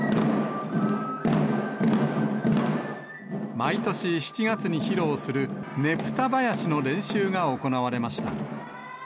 毎年７月に披露する、ねぷた囃子の練習が行われました。